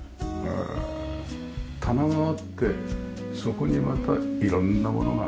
棚があってそこにまた色んなものが。